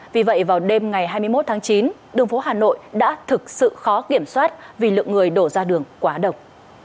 vì vậy vào đêm ngày hai mươi một tháng chín đường phố hà nội đã thực sự khó kiểm soát vì lượng người đổ ra đường quá đông